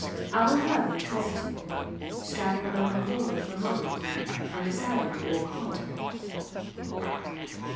Alvan Hervey hesitated, standing alone in the doorway for a moment; then decided to walk home.